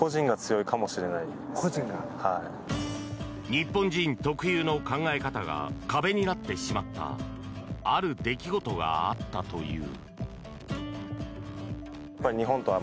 日本人特有の考え方が壁になってしまったある出来事があったという。